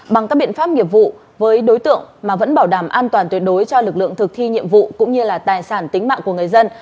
bằng các biện pháp nghiệp vụ với đối tượng mà vẫn bảo đảm an toàn tuyệt đối cho lực lượng thực thi nhiệm vụ cũng như là tài sản tính mạng của người dân